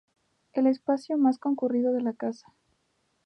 Es el espacio más concurrido de la casa.